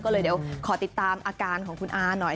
ก็เลยเดี๋ยวขอติดตามอาการของคุณอาหน่อย